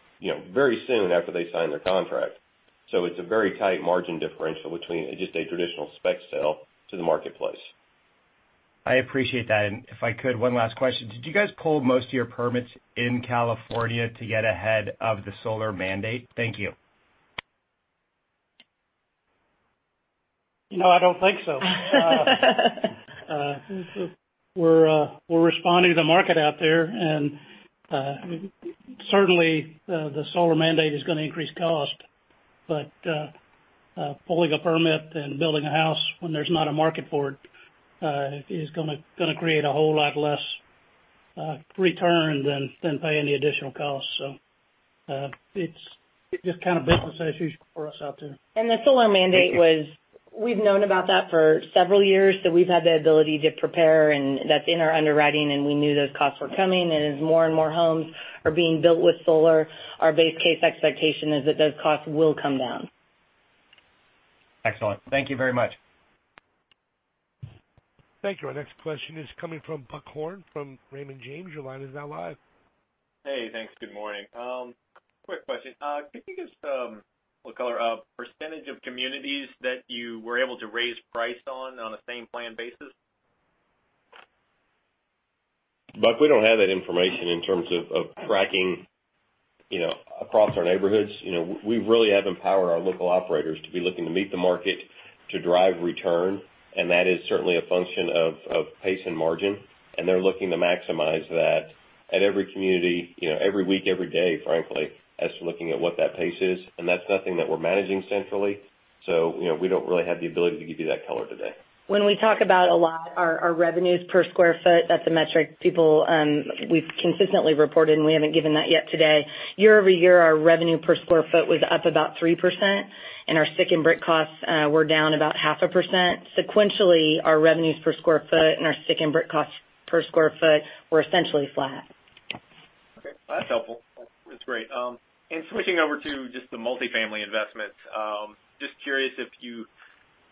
very soon after they sign their contract. It's a very tight margin differential between just a traditional spec sale to the marketplace. I appreciate that. If I could, one last question. Did you guys pull most of your permits in California to get ahead of the solar mandate? Thank you. No, I don't think so. We're responding to the market out there, and certainly, the solar mandate is going to increase cost. Pulling a permit and building a house when there's not a market for it, is going to create a whole lot less return than paying the additional costs. It's just kind of business as usual for us out there. The solar mandate was, we've known about that for several years, so we've had the ability to prepare, and that's in our underwriting, and we knew those costs were coming. As more and more homes are being built with solar, our base case expectation is that those costs will come down. Excellent. Thank you very much. Thank you. Our next question is coming from Buck Horne from Raymond James. Your line is now live. Hey, thanks. Good morning. Quick question. Can you give some color of percentage of communities that you were able to raise price on a same plan basis? Buck, we don't have that information in terms of tracking across our neighborhoods. We really have empowered our local operators to be looking to meet the market to drive return, that is certainly a function of pace and margin. They're looking to maximize that at every community, every week, every day, frankly, as to looking at what that pace is. That's nothing that we're managing centrally. We don't really have the ability to give you that color today. When we talk about a lot, our revenues per square foot, that's a metric people we've consistently reported, and we haven't given that yet today. Year-over-year, our revenue per square foot was up about 3%, and our stick and brick costs were down about half a percent. Sequentially, our revenues per square foot and our stick and brick costs per square foot were essentially flat. Okay. That's helpful. That's great. Switching over to just the multifamily investments. Just curious if you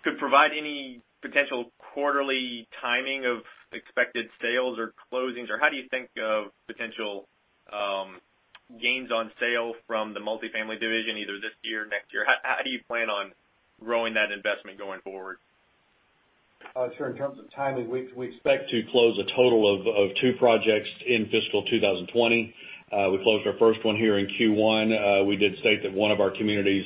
could provide any potential quarterly timing of expected sales or closings, or how do you think of potential gains on sale from the multifamily division, either this year or next year? How do you plan on growing that investment going forward? Sure. In terms of timing, we expect to close a total of two projects in fiscal 2020. We closed our first one here in Q1. We did state that one of our communities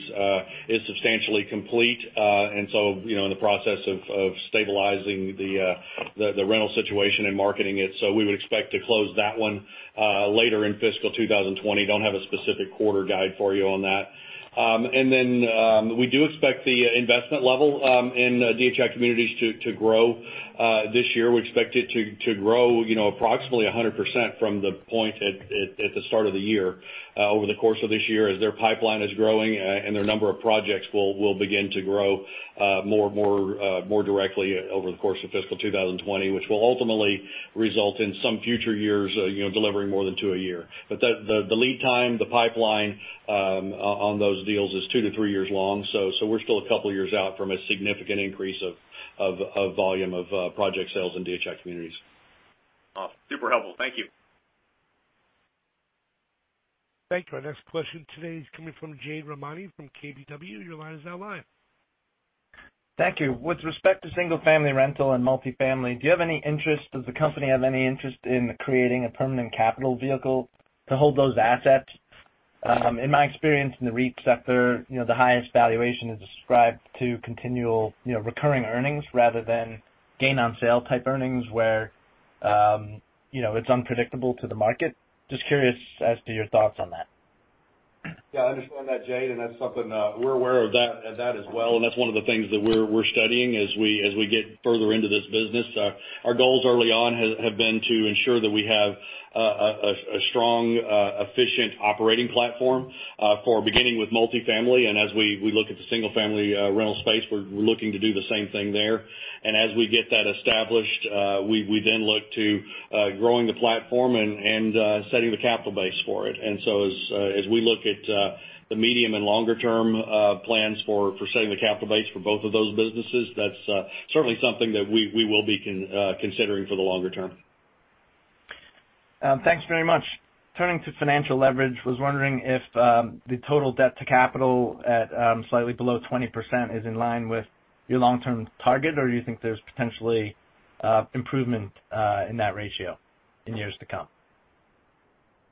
is substantially complete, and so in the process of stabilizing the rental situation and marketing it. We would expect to close that one later in fiscal 2020. Don't have a specific quarter guide for you on that. We do expect the investment level in DHI Communities to grow this year. We expect it to grow approximately 100% from the point at the start of the year. Over the course of this year, as their pipeline is growing and their number of projects will begin to grow more directly over the course of fiscal 2020, which will ultimately result in some future years delivering more than two a year. The lead time, the pipeline on those deals is two to three years long. We're still a couple of years out from a significant increase of volume of project sales in DHI Communities. Awesome. Super helpful. Thank you. Thank you. Our next question today is coming from Jade Rahmani from KBW. Your line is now live. Thank you. With respect to single-family rental and multifamily, does the company have any interest in creating a permanent capital vehicle to hold those assets? In my experience in the REIT sector, the highest valuation is ascribed to continual recurring earnings rather than gain on sale type earnings where it's unpredictable to the market. Just curious as to your thoughts on that. Yeah, I understand that, Jade, and that's something we're aware of that as well, and that's one of the things that we're studying as we get further into this business. Our goals early on have been to ensure that we have a strong, efficient operating platform for beginning with multifamily, and as we look at the single-family rental space, we're looking to do the same thing there. As we get that established, we then look to growing the platform and setting the capital base for it. As we look at the medium and longer-term plans for setting the capital base for both of those businesses, that's certainly something that we will be considering for the longer term. Thanks very much. Turning to financial leverage, I was wondering if the total debt to capital at slightly below 20% is in line with your long-term target, or you think there's potentially improvement in that ratio in years to come?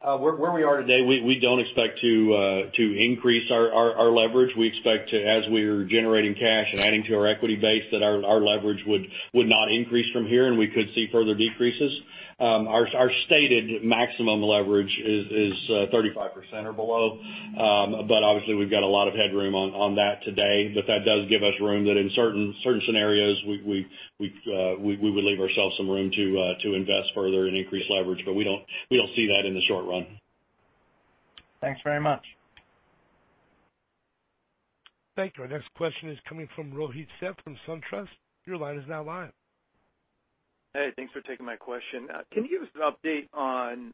Where we are today, we don't expect to increase our leverage. We expect to, as we are generating cash and adding to our equity base, that our leverage would not increase from here, and we could see further decreases. Our stated maximum leverage is 35% or below. Obviously, we've got a lot of headroom on that today, but that does give us room that in certain scenarios, we would leave ourselves some room to invest further and increase leverage. We don't see that in the short run. Thanks very much. Thank you. Our next question is coming from Rohit Seth from SunTrust. Your line is now live. Hey, thanks for taking my question. Can you give us an update on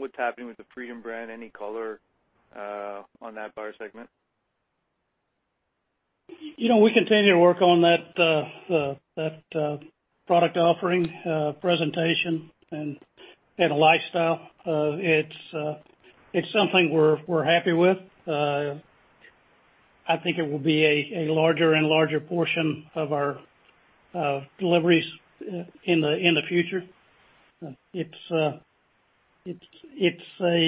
what's happening with the Freedom brand? Any color on that buyer segment? We continue to work on that product offering, presentation, and lifestyle. It's something we're happy with. I think it will be a larger and larger portion of our deliveries in the future. It's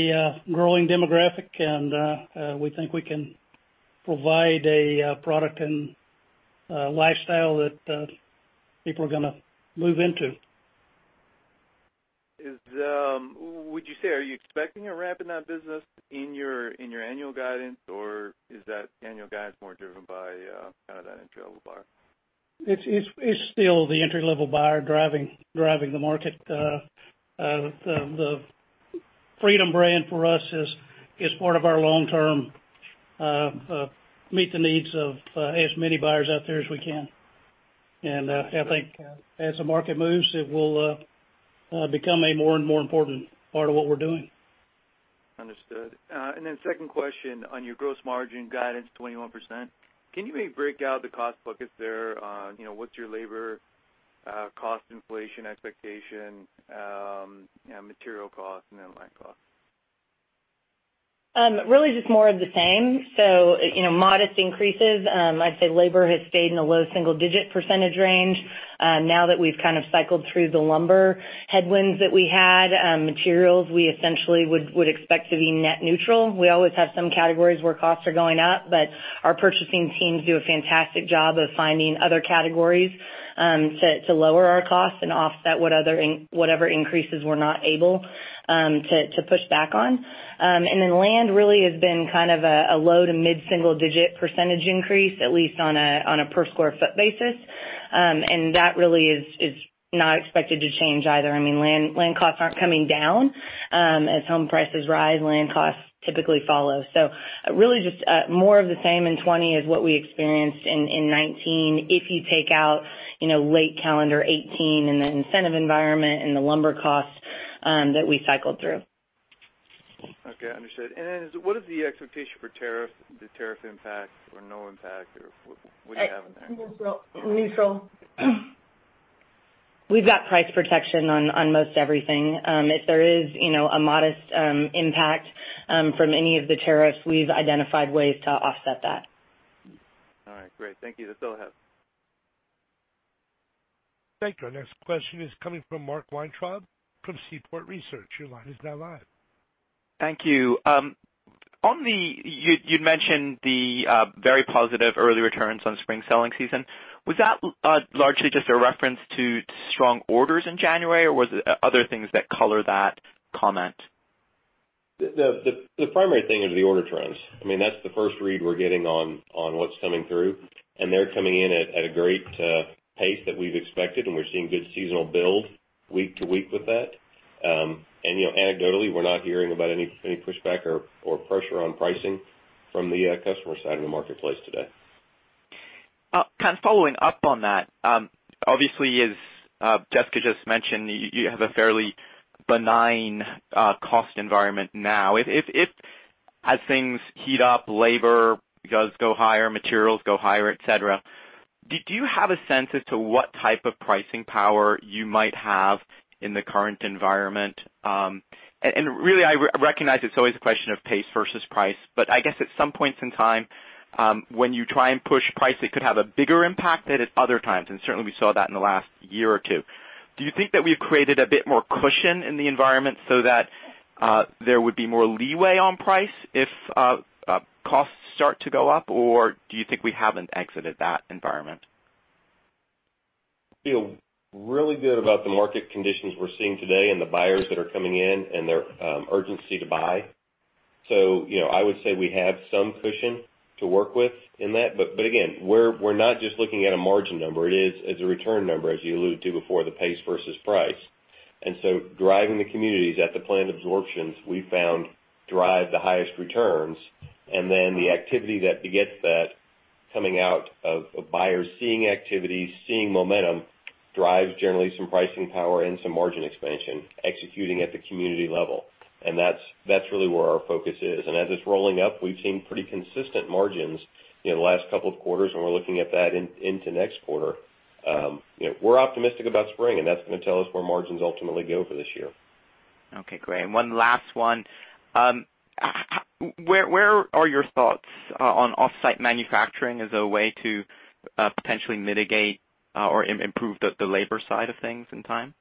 a growing demographic. We think we can provide a product and lifestyle that people are going to move into. Would you say are you expecting a ramp in that business in your annual guidance, or is that annual guidance more driven by that entry-level buyer? It's still the entry-level buyer driving the market. The Freedom brand for us is part of our long-term, meet the needs of as many buyers out there as we can. I think as the market moves, it will become a more and more important part of what we're doing. Understood. Second question on your gross margin guidance, 21%, can you maybe break out the cost buckets there on what's your labor cost inflation expectation, material cost, and then land cost? Really just more of the same. Modest increases. I'd say labor has stayed in the low single-digit percentage range. Now that we've kind of cycled through the lumber headwinds that we had. Materials we essentially would expect to be net neutral. We always have some categories where costs are going up, but our purchasing teams do a fantastic job of finding other categories to lower our costs and offset whatever increases we're not able to push back on. Then land really has been kind of a low- to mid-single-digit percentage increase, at least on a per sq ft basis. That really is not expected to change either. Land costs aren't coming down. As home prices rise, land costs typically follow. Really just more of the same in 2020 as what we experienced in 2019, if you take out late calendar 2018 and the incentive environment and the lumber costs that we cycled through. Okay, understood. What is the expectation for the tariff impact or no impact, or what do you have in there? Neutral. We've got price protection on most everything. If there is a modest impact from any of the tariffs, we've identified ways to offset that. All right, great. Thank you. That's all I have. Thank you. Our next question is coming from Mark Weintraub from Seaport Research. Your line is now live. Thank you. You'd mentioned the very positive early returns on spring selling season. Was that largely just a reference to strong orders in January, or was it other things that color that comment? The primary thing is the order trends. That's the first read we're getting on what's coming through. They're coming in at a great pace that we've expected. We're seeing good seasonal build week to week with that. Anecdotally, we're not hearing about any pushback or pressure on pricing from the customer side of the marketplace today. Kind of following up on that. Obviously, as Jessica just mentioned, you have a fairly benign cost environment now. If as things heat up, labor does go higher, materials go higher, et cetera. Do you have a sense as to what type of pricing power you might have in the current environment? Really, I recognize it's always a question of pace versus price, but I guess at some points in time, when you try and push price, it could have a bigger impact than at other times, and certainly we saw that in the last year or two. Do you think that we've created a bit more cushion in the environment so that there would be more leeway on price if costs start to go up, or do you think we haven't exited that environment? Feel really good about the market conditions we're seeing today and the buyers that are coming in and their urgency to buy. I would say we have some cushion to work with in that. Again, we're not just looking at a margin number. It is as a return number, as you alluded to before, the pace versus price. Driving the communities at the planned absorptions, we found, drive the highest returns. The activity that begets that coming out of buyers seeing activity, seeing momentum, drives generally some pricing power and some margin expansion executing at the community level. That's really where our focus is. As it's rolling up, we've seen pretty consistent margins in the last couple of quarters, and we're looking at that into next quarter. We're optimistic about spring, and that's going to tell us where margins ultimately go for this year. Okay, great. One last one. Where are your thoughts on off-site manufacturing as a way to potentially mitigate or improve the labor side of things in time?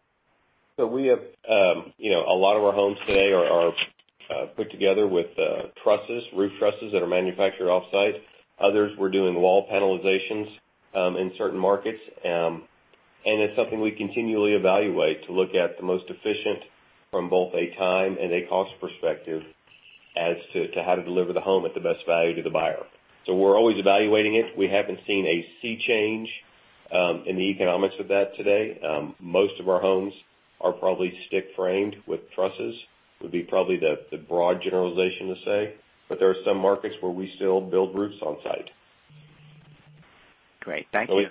A lot of our homes today are put together with roof trusses that are manufactured off-site. Others, we're doing wall panelizations in certain markets. It's something we continually evaluate to look at the most efficient from both a time and a cost perspective as to how to deliver the home at the best value to the buyer. We're always evaluating it. We haven't seen a sea change in the economics of that today. Most of our homes are probably stick-framed with trusses, would be probably the broad generalization to say. There are some markets where we still build roofs on-site. Great. Thank you.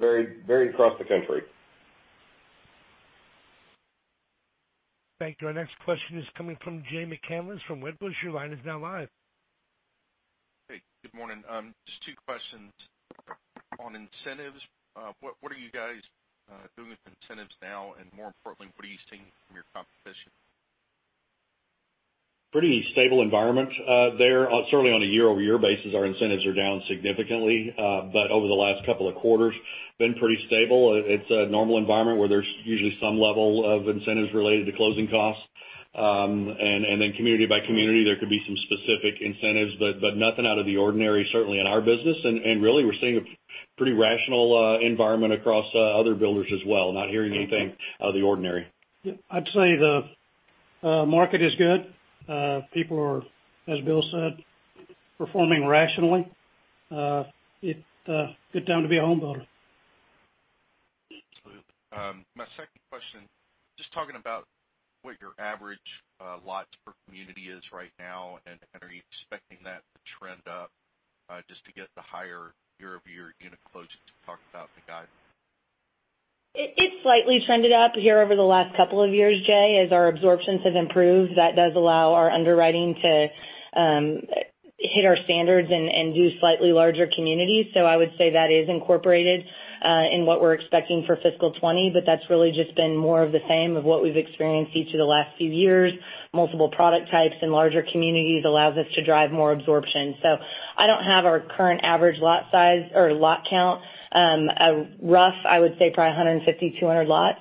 Very across the country. Thank you. Our next question is coming from Jay McCanless from Wedbush. Your line is now live. Hey, good morning. Just two questions. On incentives, what are you guys doing with incentives now? More importantly, what are you seeing from your competition? Pretty stable environment there. Certainly on a year-over-year basis, our incentives are down significantly. Over the last couple of quarters, been pretty stable. It's a normal environment where there's usually some level of incentives related to closing costs. Community by community, there could be some specific incentives, but nothing out of the ordinary, certainly in our business. Really, we're seeing a pretty rational environment across other builders as well, not hearing anything out of the ordinary. Yeah. I'd say the market is good. People are, as Bill said, performing rationally. It's good time to be a homebuilder. Absolutely. My second question, just talking about what your average lots per community is right now, and are you expecting that to trend up just to get the higher year-over-year unit closures you talked about in the guidance? It's slightly trended up here over the last couple of years, Jay. As our absorptions have improved, that does allow our underwriting to hit our standards and do slightly larger communities. I would say that is incorporated in what we're expecting for fiscal 2020, that's really just been more of the same of what we've experienced each of the last few years. Multiple product types and larger communities allows us to drive more absorption. I don't have our current average lot size or lot count. Rough, I would say probably 150, 200 lots.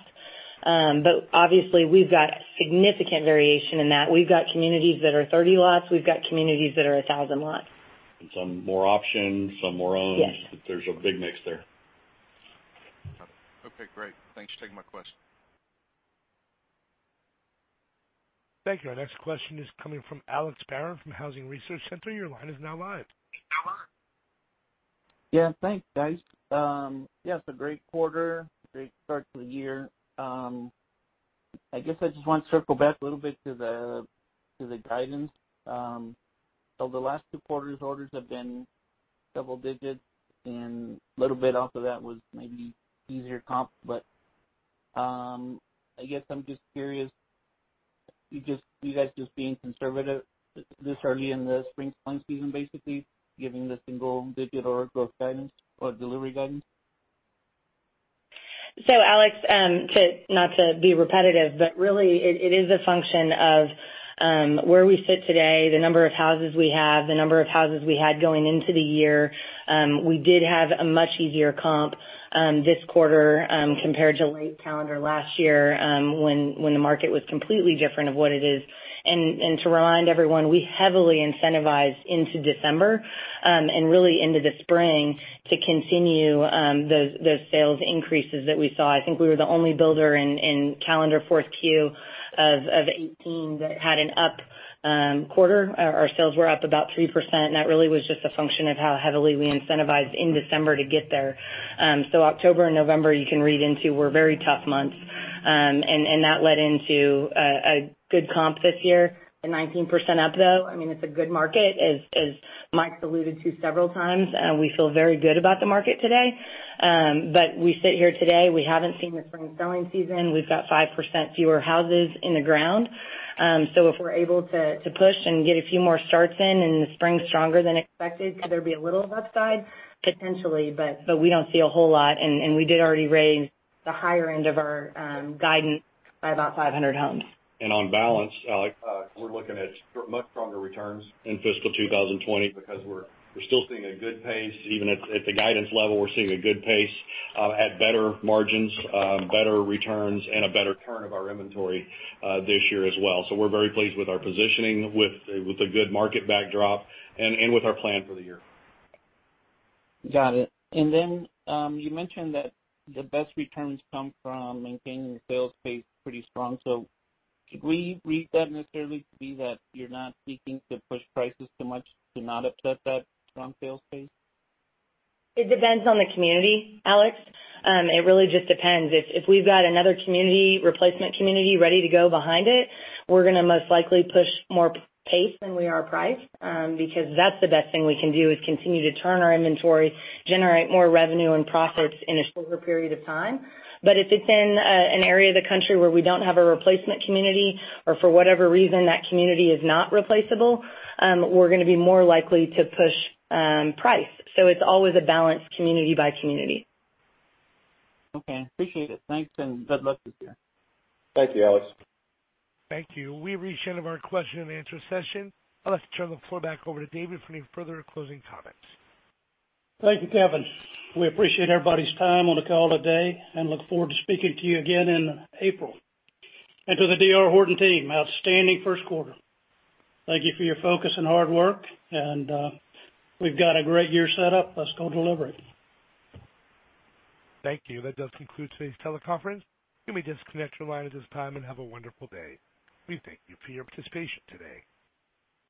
Obviously, we've got significant variation in that. We've got communities that are 30 lots. We've got communities that are 1,000 lots. Some more option, some more owned. Yes. There's a big mix there. Okay, great. Thanks for taking my question. Thank you. Our next question is coming from Alex Barrón from Housing Research Center. Your line is now live. Yeah, thanks, guys. Yeah, it's a great quarter, great start to the year. I guess I just want to circle back a little bit to the guidance. The last two quarters' orders have been double digits, and a little bit off of that was maybe easier comp. I guess I'm just curious, are you guys just being conservative this early in the spring selling season, basically, giving the single-digit order growth guidance or delivery guidance? Alex, not to be repetitive, but really it is a function of where we sit today, the number of houses we have, the number of houses we had going into the year. We did have a much easier comp this quarter compared to late calendar last year, when the market was completely different of what it is. To remind everyone, we heavily incentivized into December, and really into the spring to continue those sales increases that we saw. I think we were the only builder in calendar fourth quarter of 2018 that had an up quarter. Our sales were up about 3%, and that really was just a function of how heavily we incentivized in December to get there. October and November, you can read into, were very tough months. That led into a good comp this year. They're 19% up, though. It's a good market, as Mike alluded to several times. We feel very good about the market today. We sit here today, we haven't seen the spring selling season. We've got 5% fewer houses in the ground. If we're able to push and get a few more starts in in the spring stronger than expected, could there be a little upside? Potentially, we don't see a whole lot, we did already raise the higher end of our guidance by about 500 homes. On balance, Alex, we're looking at much stronger returns in fiscal 2020 because we're still seeing a good pace. Even at the guidance level, we're seeing a good pace at better margins, better returns, and a better turn of our inventory this year as well. We're very pleased with our positioning, with the good market backdrop, and with our plan for the year. Got it. You mentioned that the best returns come from maintaining the sales pace pretty strong. Should we read that necessarily to be that you're not seeking to push prices too much to not upset that strong sales pace? It depends on the community, Alex. It really just depends. If we've got another replacement community ready to go behind it, we're going to most likely push more pace than we are price, because that's the best thing we can do, is continue to turn our inventory, generate more revenue and profits in a shorter period of time. If it's in an area of the country where we don't have a replacement community, or for whatever reason, that community is not replaceable, we're going to be more likely to push price. It's always a balanced community by community. Okay. Appreciate it. Thanks, and good luck this year. Thank you, Alex. Thank you. We've reached the end of our question-and-answer session. I'd like to turn the floor back over to David for any further closing comments. Thank you, Kevin. We appreciate everybody's time on the call today and look forward to speaking to you again in April. To the D.R. Horton team, outstanding first quarter. Thank you for your focus and hard work, and we've got a great year set up. Let's go deliver it. Thank you. That does conclude today's teleconference. You may disconnect your line at this time, and have a wonderful day. We thank you for your participation today.